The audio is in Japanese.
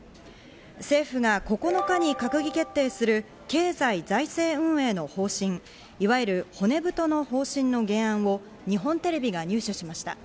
政府が９日に閣議決定する経済財政運営の方針、いわゆる骨太の方針の原案を日本テレビが入手しました。